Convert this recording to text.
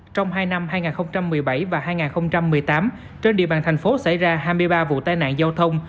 trong hai năm hai nghìn một mươi bảy và hai nghìn một mươi tám trên địa bàn thành phố xảy ra hai mươi ba vụ tai nạn giao thông